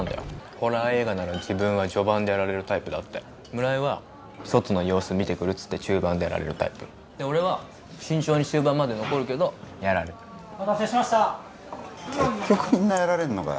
ホラー映画なら自分は序盤でやられるタイプだって村井は外の様子を見てくるって言って中盤でやられるタイプ俺は慎重に終盤まで残るけどやられるお待たせしました結局みんなやられんのかよ